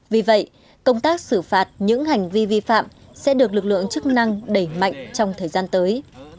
vì vậy công tác xử phạt những hành vi vi phạm sẽ được lực lượng chức năng đẩy mạnh trong thời gian tới